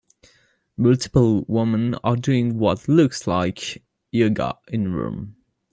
Multiple women are doing what looks like yoga in room.